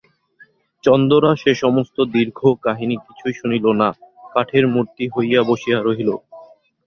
চন্দরা সে সমস্ত দীর্ঘ কাহিনী কিছুই শুনিল না, কাঠের মূর্তি হইয়া বসিয়া রহিল।